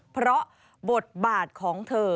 เพราะบทบาทของเธอ